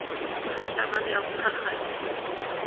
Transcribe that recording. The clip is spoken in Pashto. په هر چا باندې او په هر ښار کې